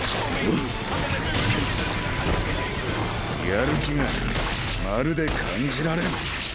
やる気がまるで感じられん。